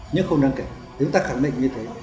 nhưng không đáng kể